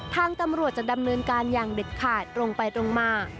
ทางตำรวจจะดำเนินการอย่างเด็ดขาดตรงไปตรงมา